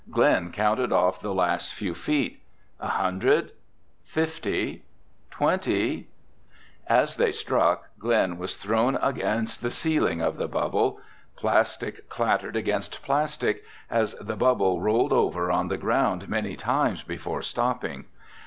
Glen counted off the last few feet. "A hundred—fifty—twenty—!" As they struck, Glen was thrown against the ceiling of the bubble. Plastic clattered against plastic as the bubble rolled over on the ground many times before stopping.